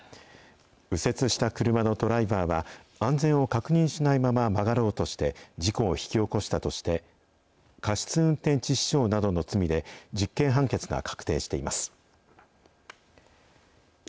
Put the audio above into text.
右折した車のドライバーは、安全を確認しないまま曲がろうとして事故を引き起こしたとして、過失運転致死傷などの罪で、実刑判決が確定しています。